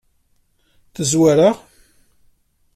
Tezwar-aɣ?